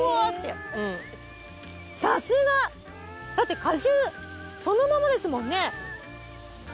さすが！だって果汁そのままですもんね。